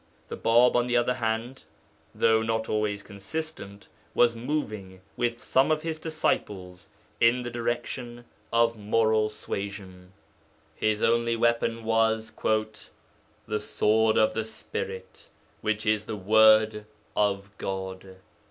The Bāb, on the other hand, though not always consistent, was moving, with some of his disciples, in the direction of moral suasion; his only weapon was 'the sword of the Spirit, which is the word of God.'